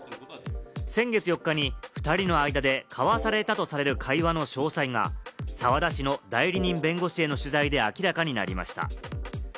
先月４日に２人の間で交わされたとされる会話の詳細が、澤田氏の代理人弁護士への取材で明らかになりました。